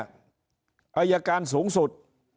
อายการสูงสุด